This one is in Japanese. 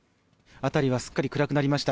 辺りはすっかり暗くなりました。